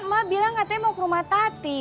emang katanya mau ke rumah tati